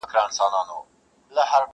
دا سیکي چلېږي دا ویناوي معتبري دي،